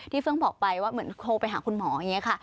เพิ่งบอกไปว่าเหมือนโทรไปหาคุณหมออย่างนี้ค่ะ